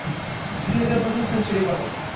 তিনি তাঁর প্রথম সেঞ্চুরি করেন।